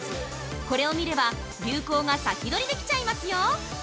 これを見れば、流行が先取りできちゃいますよ！